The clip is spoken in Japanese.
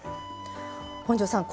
本上さん